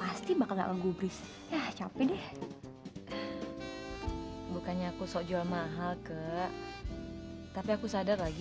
pasti bakal enggak ngegubris ya capek deh bukannya aku sok jual mahal ke tapi aku sadar lagi